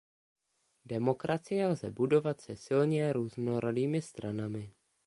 Demokracie lze budovat se silně různorodými stranami.